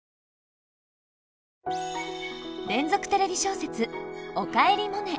連続テレビ小説「おかえりモネ」。